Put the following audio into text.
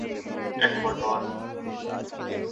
Ecuador